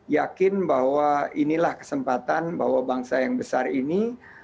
yakin bahwa inilah kesempatan bahwa bangsa yang besar ini